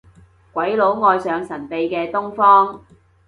鬼佬愛上神秘嘅東方